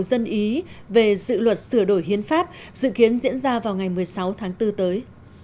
dân ý về dự luật sửa đổi hiến pháp dự kiến diễn ra vào ngày một mươi sáu tháng bốn tới